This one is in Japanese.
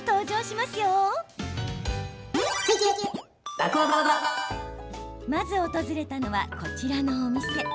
まず訪れたのは、こちらのお店。